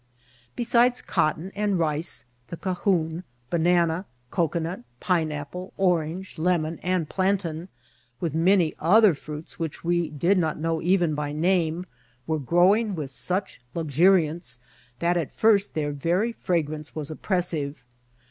Besides cotton and rice, the cahoon, banana, cocoanut, pineapple, or ange, lemon, and plantain, with many other fruits which we did not know even by name, were growing with such luxuriance that at first their very fragrance was oppressive.